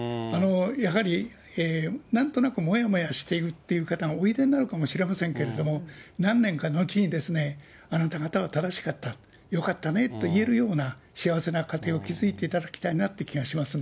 やはりなんとなくもやもやしているという方がおいでになるかもしれませんけれども、何年か後に、あなた方は正しかった、よかったねと言えるような、幸せな家庭を築いていただきたいなという気がしますね。